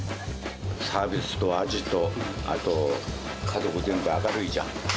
サービスと味と、あと家族全部明るいじゃん。